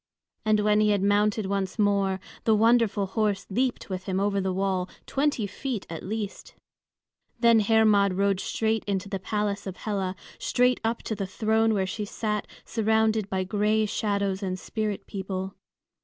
And when he had mounted once more, the wonderful horse leaped with him over the wall, twenty feet at least! Then Hermod rode straight into the palace of Hela, straight up to the throne where she sat surrounded by gray shadows and spirit people.